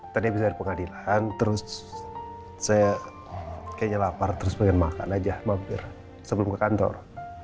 tadi bisa di pengadilan terus saya kayaknya lapar terus pengen makan aja mampir sebelum ke kantor